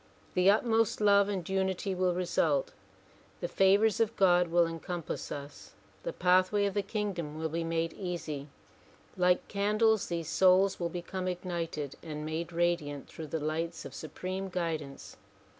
The utmost love and unity will result, the favors of God will encompass us, the pathway of the kingdom will be made easy. Like candles these souls will become ignited and made radiant through the lights of supreme guidance.